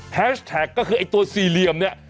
แท็กก็คือไอ้ตัวสี่เหลี่ยมเนี่ย